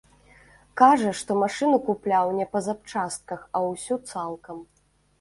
Кажа, што машыну купляў не па запчастках, а ўсю цалкам.